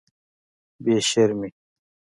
بې شرمې.